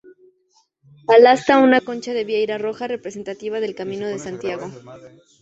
Al asta, una concha de vieira roja, representativa del camino de Santiago.